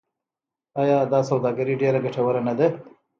آیا دا سوداګري ډیره ګټوره نه ده؟